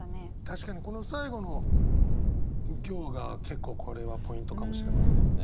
確かにこの最後の行が結構これはポイントかもしれませんね。